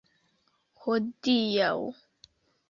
Hodiaŭ.